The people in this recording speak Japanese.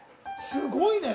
すごいね。